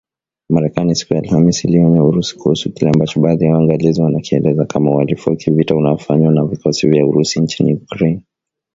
Marekani, siku ya Alhamis iliionya Urusi kuhusu kile ambacho baadhi ya waangalizi wanakielezea kama uhalifu wa kivita unaofanywa na vikosi vya Urusi nchini Ukraine